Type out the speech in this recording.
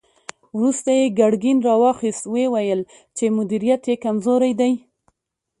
وروسته يې ګرګين را واخيست، ويې ويل چې مديريت يې کمزوری دی.